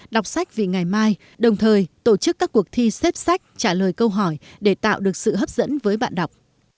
đọc sách vì ngày mai đồng thời tổ chức các cuộc thi xếp sách trả lời câu hỏi để tạo được sự hấp dẫn với bạn đọc